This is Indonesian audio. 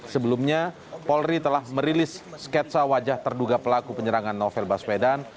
sebelumnya polri telah merilis sketsa wajah terduga pelaku penyerangan novel baswedan